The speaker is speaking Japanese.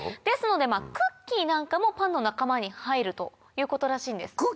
ですのでクッキーなんかもパンの仲間に入るということらしいんです。